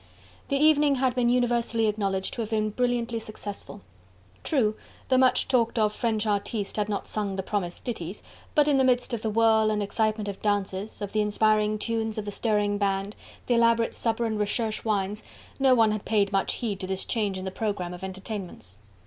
The evening had been universally acknowledged to have been brilliantly successful. True, the much talked of French artiste had not sung the promised ditties, but in the midst of the whirl and excitement of dances, of the inspiring tunes of the string band, the elaborate supper and recherche wines, no one had paid much heed to this change in the programme of entertainments.